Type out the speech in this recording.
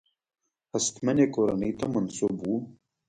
هستمنې کورنۍ ته منسوب وو.